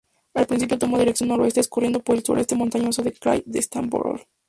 Al principio toma dirección noroeste discurriendo por el suroeste montañoso del krai de Stávropol.